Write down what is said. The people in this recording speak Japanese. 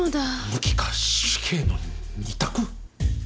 無期か死刑の２択。